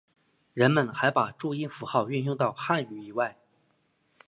人们还把注音符号运用到汉语以外。